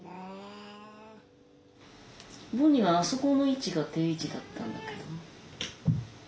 ボニーはあそこの位置が定位置だったんだけどな。